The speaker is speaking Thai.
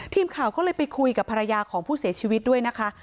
ทีมข่าวก็เลยไปคุยกับภรรยาของผู้เสียชีวิตด้วยนะคะ